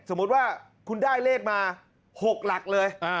สมมุติว่าคุณได้เลขมา๖หลักเลย